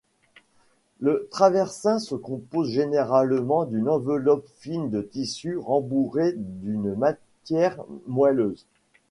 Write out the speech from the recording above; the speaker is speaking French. Le traversin se compose généralement d'une enveloppe fine de tissu, rembourrée d'une matière moelleuse.